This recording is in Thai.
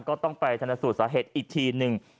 ก็ต้องไปชนสูตรสาเหตุอีกทีหนึ่ง